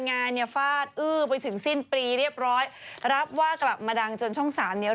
งานเนี่ยฟาดอื้อไปถึงสิ้นปีเรียบร้อยรับว่ากลับมาดังจนช่องสามเนี้ย